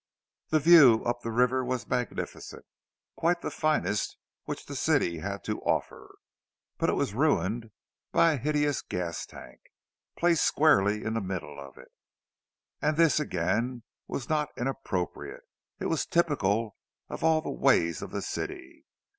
The view up the river was magnificent, quite the finest which the city had to offer; but it was ruined by a hideous gas tank, placed squarely in the middle of it. And this, again, was not inappropriate—it was typical of all the ways of the city.